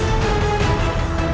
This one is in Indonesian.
tidak ada yang bisa diberi